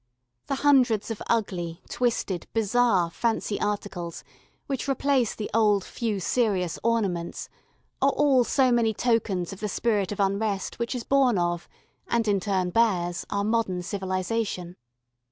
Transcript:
The hundreds of ugly, twisted, bizarre fancy articles which replace the old few serious "ornaments" are all so many tokens of the spirit of unrest which is born of, and in turn bears, our modern civilisation.